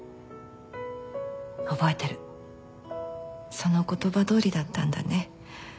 その言葉どおりだったんだね。